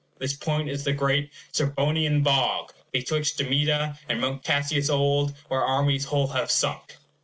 This point is the great "Serbonian bog, Betwixt Damiata and Mount Casius old, Where armies whole have sunk."